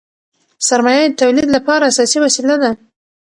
سرمایه د تولید لپاره اساسي وسیله ده.